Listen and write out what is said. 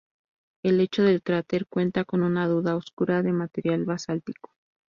El lecho del cráter cuenta con una duna oscura de material basáltico.